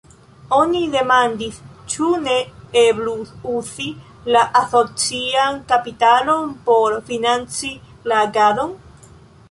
Oni demandis, ĉu ne eblus uzi la asocian kapitalon por financi la agadon.